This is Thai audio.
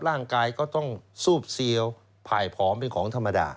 ร่างกายก็ต้องซูบเซียวผ่ายผอมเป็นของธรรมดา